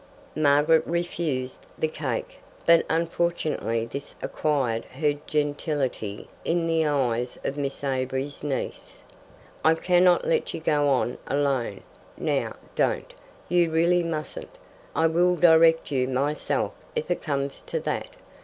Margaret refused the cake, but unfortunately this acquired her gentility in the eyes of Miss Avery's niece. "I cannot let you go on alone. Now don't. You really mustn't. I will direct you myself if it comes to that.